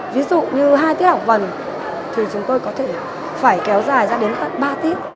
ví dụ như hai tiết học vần thì chúng tôi có thể phải kéo dài ra đến hơn ba tiết